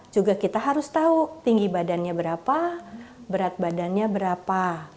juga kita harus tahu tinggi badannya berapa berat badannya berapa